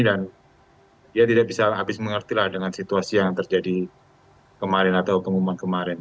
dan dia tidak bisa habis mengerti lah dengan situasi yang terjadi kemarin atau pengumuman kemarin